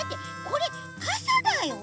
これかさだよ。